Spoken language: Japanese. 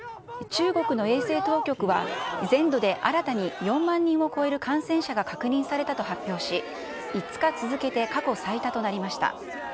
中国の衛生当局は、全土で新たに４万人を超える感染者が確認されたと発表し、５日続けて過去最多となりました。